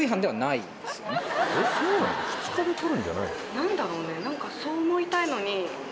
何だろうね。